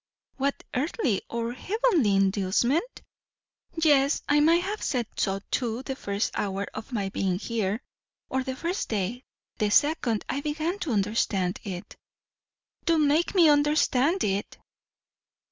"What earthly or heavenly inducement? " "Yes, I might have said so too, the first hour of my being here, or the first day. The second, I began to understand it." "Do make me understand it!"